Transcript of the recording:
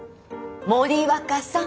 森若さん。